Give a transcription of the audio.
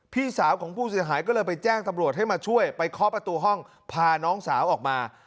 พี่สาวของผู้เสียหายก็เลยไปแจ้งตำรวจให้มาช่วยไปเคาะประตูห้องพาน้องสาวออกมา